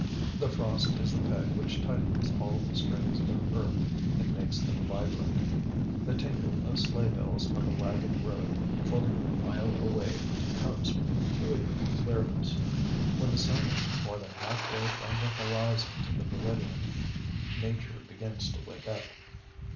The frost is the peg which tightens all the strings of earth and makes them vibrant. The tinkle of sleigh bells on the wagon road fully a mile away comes with peculiar clearness. When the sun is more than half way from the horizon to the meridian, Nature begins to wake up.